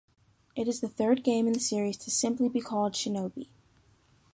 It is the third game in the series to simply be called "Shinobi".